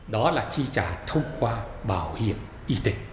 đó là chi trả thông qua bảo hiểm y tế